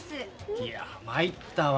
いやまいったわ。